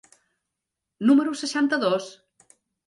número seixanta-dos?